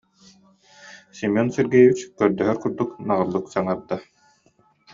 Семен Сергеевич көрдөһөр курдук наҕыллык саҥарда